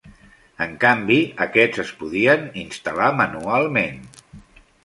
En canvi, aquests es podien instal·lar manualment.